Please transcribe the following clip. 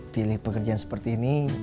pilih pekerjaan seperti ini